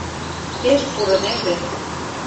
Пеш пурынеже.